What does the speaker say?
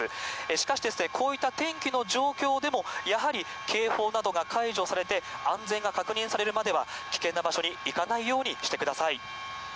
しかし、こういった天気の状況でも、やはり警報などが解除されて、安全が確認されるまでは、危険な場所に行かないようにしてください。